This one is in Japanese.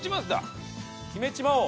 決めちまおう。